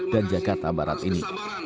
dan jakarta barat ini